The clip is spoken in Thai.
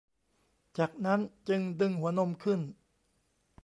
จากนั้นจึงดึงหัวนมขึ้น